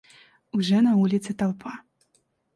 Уже на улице толпа.